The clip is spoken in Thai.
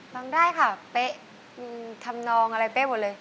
ร้องได้ค่ะเป๊ะทำนองอะไรเป๊ะหมดเลย